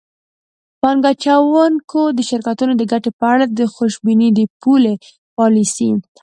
پانګه اچوونکو د شرکتونو د ګټې په اړه خوشبیني د پولي پالیسۍ